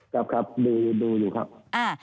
ครับครับดูอยู่ครับ